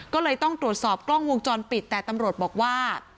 ก็เลยต้องตรวจสอบกล้องวงจรปิดแต่ตำรวจบอกว่า